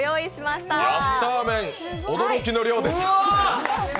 めん、驚きの量です。